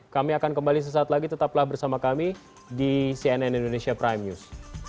kami akan kembali sesaat lagi tetaplah bersama kami di cnn indonesia prime news